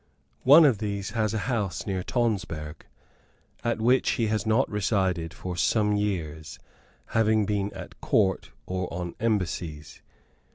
One of these has a house near Tonsberg, at which he has not resided for some years, having been at court, or on embassies.